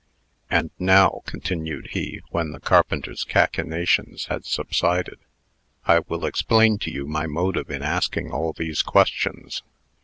"And now," continued he, when the carpenter's cachinations had subsided, "I will explain to you my motive in asking all these questions.